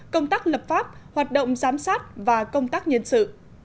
công tác lập pháp hoạt động giám sát và công tác nhân sự